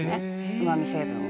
うまみ成分が。